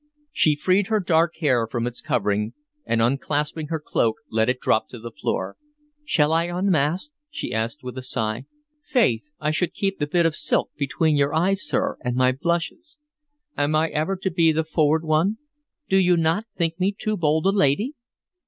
She freed her dark hair from its covering, and unclasping her cloak let it drop to the floor. "Shall I unmask?" she asked, with a sigh. "Faith! I should keep the bit of silk between your eyes, sir, and my blushes. Am I ever to be the forward one? Do you not think me too bold a lady?"